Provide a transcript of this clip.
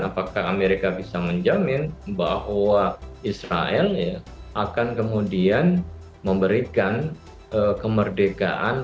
apakah amerika bisa menjamin bahwa israel akan kemudian memberikan kemerdekaan